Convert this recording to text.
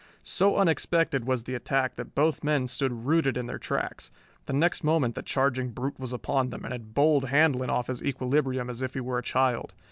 So unexpected was the attack that both men stood rooted in their tracks. The next moment the charging brute was upon them, and had bowled Handlon off his equilibrium as if he were a child.